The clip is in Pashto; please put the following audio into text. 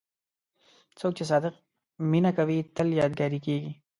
څوک چې صادق مینه کوي، تل یادګاري کېږي.